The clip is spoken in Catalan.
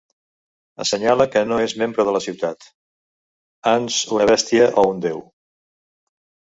Assenyale que no és membre de la ciutat, ans una bèstia o un déu.